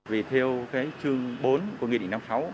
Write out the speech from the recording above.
vì theo cái chương bốn của nghị định năm mươi sáu